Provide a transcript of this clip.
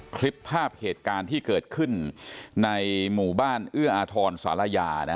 คลิปภาพเหตุการณ์ที่เกิดขึ้นในหมู่บ้านเอื้ออาทรศาลายา